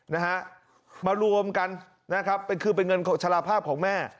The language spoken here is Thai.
นะฮะมารวมกันนะครับเป็นคือเป็นเงินชะลาภาพของแม่